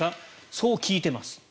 そう聞いています